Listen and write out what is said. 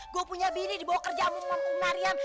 gue punya bini di bawah kerjaanmu sama kum mariam